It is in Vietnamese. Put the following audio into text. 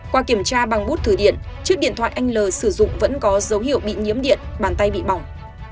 qua kiểm tra bằng bút thử điện chiếc điện thoại anh l sử dụng vẫn có dấu hiệu bị nhiễm điện bàn tay bị bỏng